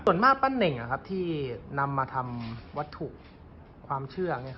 ส่วนมากปั้นเน่งที่นำมาทำวัตถุความเชื่อ